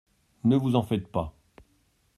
Ne vous en faites pas !